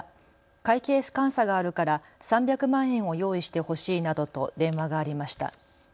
会計監査があるから３００万円を用意してほしいなどと電話がありました。